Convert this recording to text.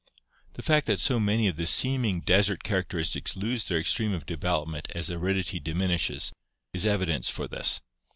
The fact that so many of the seeming desert characteristics lose their extreme of development as aridity diminishes is evidence for this.